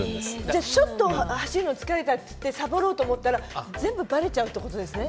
じゃちょっと走るの疲れたっつってサボろうと思ったら全部バレちゃうってことですね？